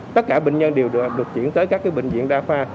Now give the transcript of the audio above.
tất cả bệnh nhân đều được chuyển tới các bệnh viện đa khoa